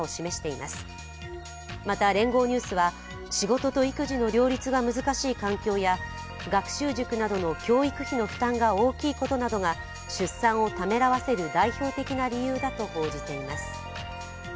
また、聯合ニュースは仕事と育児の両立が難しい環境や学習塾などの教育費の負担が大きいことなどが出産をためらわせる代表的な理由だと報じています。